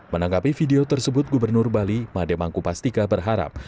menanggapi video tersebut gubernur bali mademangku pastika berharap